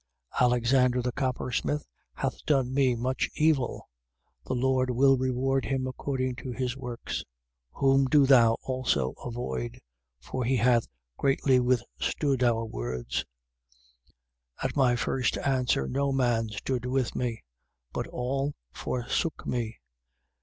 4:14. Alexander the coppersmith hath done me much evil: the Lord will reward him according to his works: 4:15. Whom do thou also avoid: for he hath greatly withstood our words. 4:16. At my first answer, no man stood with me: but all forsook me.